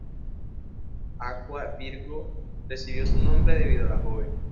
Aqua Virgo recibió su nombre debido a la joven.